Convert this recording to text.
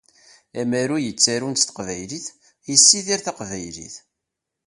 Amaru yettarun s Taqbaylit yessidir Taqbaylit.